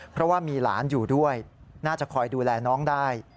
เพราะว่ามีหลานอยู่ด้วยน่าจะคอยดูแลน้องได้